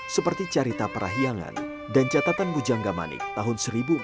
seperti cerita prahyangan dan catatan ngujang gamanik tahun seribu empat ratus tujuh puluh tiga